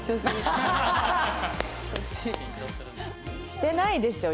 してないでしょ